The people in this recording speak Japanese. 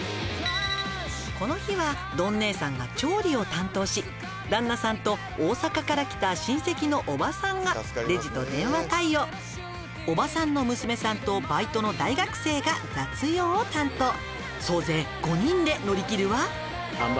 「この日は丼姉さんが調理を担当し旦那さんと大阪から来た親戚の叔母さんがレジと電話対応」「叔母さんの娘さんとバイトの大学生が雑用を担当」「総勢５人で乗り切るわ」